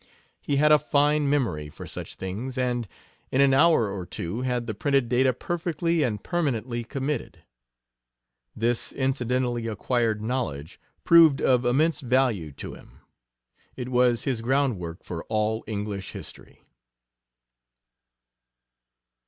He had a fine memory for such things, and in an hour or two had the printed data perfectly and permanently committed. This incidentally acquired knowledge proved of immense value to him. It was his groundwork for all English history.